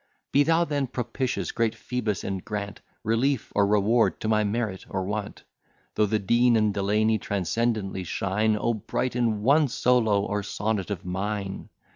Be thou then propitious, great Phoebus! and grant Relief, or reward, to my merit, or want. Though the Dean and Delany transcendently shine, O brighten one solo or sonnet of mine!